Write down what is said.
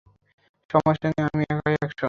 সমস্যা নেই, আমি একাই একশ!